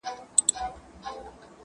ولې ناپوهي منل کېږي؟